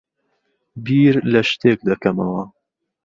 بیر لە شتێک دەکەمەوە.